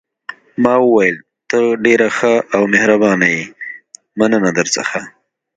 ما وویل: ته ډېره ښه او مهربانه یې، مننه درڅخه.